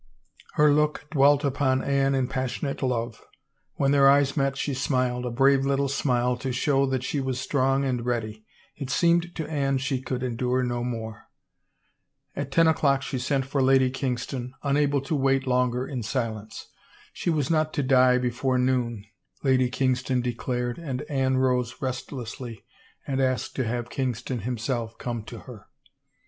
Her look dwelt upon Anne in passionate love ; when their eyes met she smiled, a brave little smile to show that she was strong and ready. It seemed to Anne she could endure no more. At ten o'clock, she sent for Lady Kingston, unable to wait longer in silence. She was not to die befoVe noon, Lady Kingston declared and Anne rose restlessly, and asked to have Kingston himself come to her.